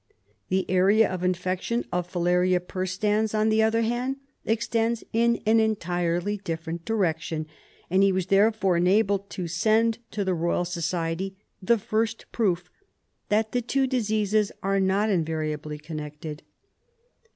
The area of infection of Filaria perstans, on the other hand, extends in an entirely different direction, and he was therefore enabled to send to the Eo3'al Society the first proof that the two diseases are not invariably cbnnected.